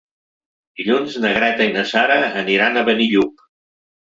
Dilluns na Greta i na Sara aniran a Benillup.